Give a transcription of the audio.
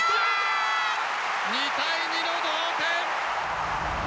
２対２の同点！